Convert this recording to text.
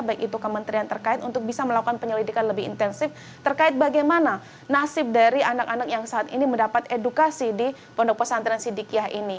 baik itu kementerian terkait untuk bisa melakukan penyelidikan lebih intensif terkait bagaimana nasib dari anak anak yang saat ini mendapat edukasi di pondok pesantren sidikiah ini